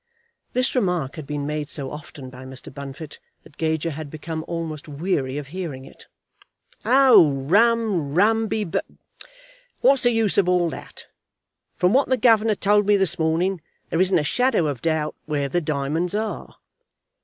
This remark had been made so often by Mr. Bunfit, that Gager had become almost weary of hearing it. "Oh, rum; rum be b What's the use of all that? From what the governor told me this morning, there isn't a shadow of doubt where the diamonds are."